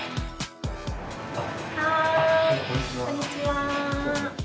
はいこんにちは。